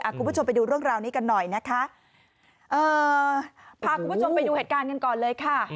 คุณผู้ชมไปดูเรื่องราวนี้กันหน่อยนะคะเอ่อพาคุณผู้ชมไปดูเหตุการณ์กันก่อนเลยค่ะ